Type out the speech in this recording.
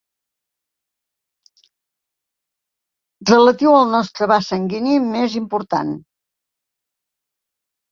Relatiu al nostre vas sanguini més important.